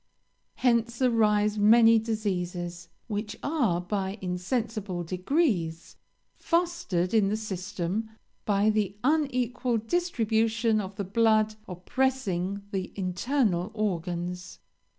Hence arise many diseases, which are, by insensible degrees, fostered in the system by the unequal distribution of the blood oppressing the internal organs.